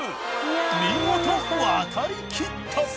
見事渡りきった！